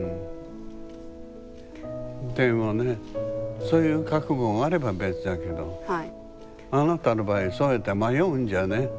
でもねそういう覚悟があれば別だけどあなたの場合そうやって迷うんじゃね